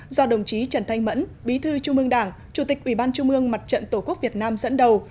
do đồng chí trần thanh mẫn bí thư trung ương đảng chủ tịch ủy ban trung ương mặt trận tổ quốc việt nam dẫn đầu